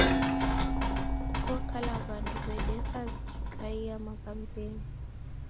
Kokala w'andu w'edeka w'ikikaia maghambenyi.